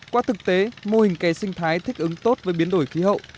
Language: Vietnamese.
qua thực tế mô hình kè sinh thái thích ứng tốt với biến đổi khí hậu